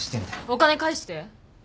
お金返して。